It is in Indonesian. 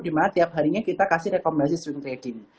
di mana tiap harinya kita kasih rekomendasi swing trading